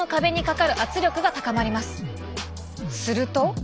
すると。